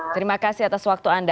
terima kasih atas waktu anda